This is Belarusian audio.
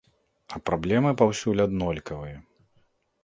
А праблемы паўсюль аднолькавыя.